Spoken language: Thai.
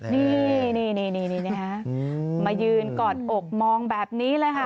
นี่มายืนกอดอกมองแบบนี้เลยค่ะ